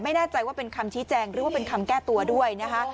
ไม่แน่ใจว่าเป็นคำชี้แจงหรือว่าเป็นคำแก้ตัวด้วยนะคะ